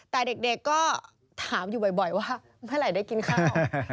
แต่เด็กก็ถามอยู่บ่อยว่าเมื่อไหร่ได้กินข้าว